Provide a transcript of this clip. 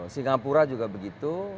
singapura juga begitu